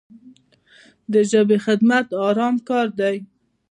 د ژبې خدمت ارام کار دی.